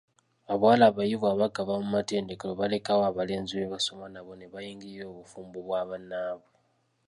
Abawala abayivu abaakava mu matendekero balekawo abalenzi be basoma nabo ne bayingirira obufumbo bwa bannaabwe.